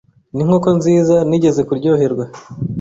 Ninkoko nziza nigeze kuryoherwa.